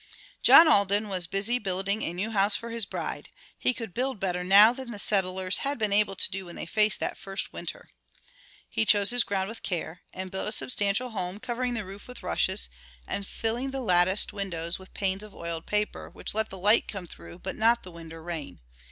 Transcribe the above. John Alden was busy building a new house for his bride. He could build better now than the settlers had been able to do when they faced that first winter. He chose his ground with care, and built a substantial home, covering the roof with rushes, and filling the latticed windows with panes of oiled paper, which let the light come through but not the wind or rain.